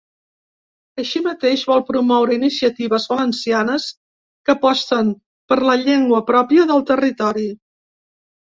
Així mateix, vol promoure iniciatives valencianes que aposten per la llengua pròpia del territori.